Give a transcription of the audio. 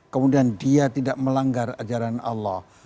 kemudian dia tidak melanggar ajaran allah